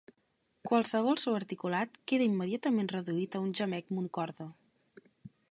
Qualsevol so articulat queda immediatament reduït a un gemec monocorde.